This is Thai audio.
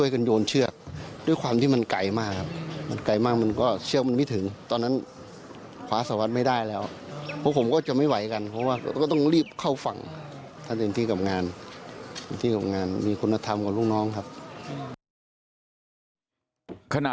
เข้าฝั่งท่านเองที่กำงาน